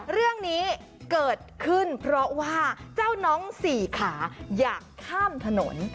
เรื่องนี้เกิดขึ้นเพราะว่าเจ้าน้องสี่ขาอยากข้ามถนน